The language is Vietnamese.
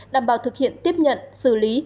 đảm bảo thực hiện tiếp nhận xử lý